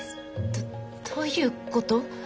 どどういうこと？